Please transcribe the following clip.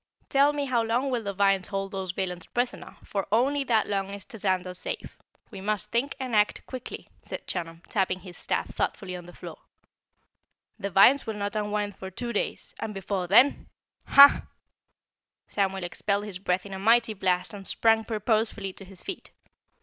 Tell me, how long will the vines hold those villains prisoner, for only that long is Tazander safe. We must think and act quickly," said Chunum, tapping his staff thoughtfully on the floor. "The vines will not unwind for two days and before THEN HAH!" Samuel expelled his breath in a mighty blast and sprang purposefully to his feet.